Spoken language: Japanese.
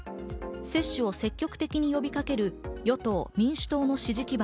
接種を積極的に呼びかける与党、民主党の支持基盤